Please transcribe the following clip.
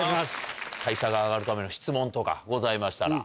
代謝が上がるための質問とかございましたら。